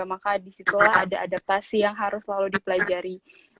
maka di situlah ada adaptasi yang harus selalu dipelajari